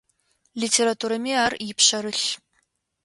Литературэми ар ипшъэрылъ.